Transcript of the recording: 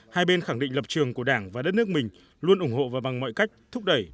hai bên khẳng định lập trường của đảng và đất nước mình luôn ủng hộ và bằng mọi cách thúc đẩy